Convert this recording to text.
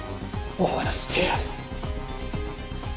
終わらせてやる。